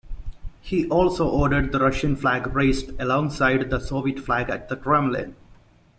He also ordered the Russian flag raised alongside the Soviet flag at the Kremlin.